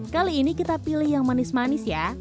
kali ini kita pilih yang manis manis ya